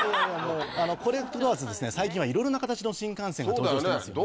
これにとどまらずですね最近はいろいろな形の新幹線が登場してますよね。